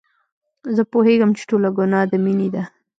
زه پوهېږم چې ټوله ګناه د مينې ده.